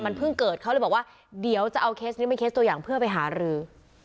มันเพิ่งเกิดเขาเลยบอกว่าเดี๋ยวจะเอาเคสนี้มาเคสตัวอย่างเพื่อไปหารือ